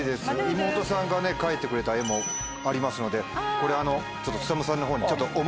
妹さんが描いてくれた絵もありますのでこれ勤さんの方に。